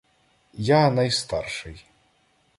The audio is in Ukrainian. — Я найстарший.